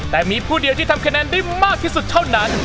แต่มีผู้เดียวที่ทำคะแนนได้มากที่สุดเท่านั้น